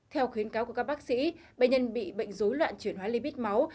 theo khuyến cáo của các bác sĩ bệnh nhân bị bệnh dối loạn chuyển hóa libit máu